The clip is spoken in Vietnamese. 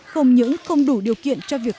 không những không đủ điều kiện cho tỉnh hải dương